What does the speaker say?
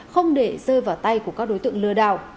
không để rơi vào tay của các đối tượng lừa đảo